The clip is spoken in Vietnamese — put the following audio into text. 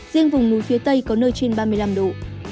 riêng vùng núi phía tây có nơi trên ba mươi năm độ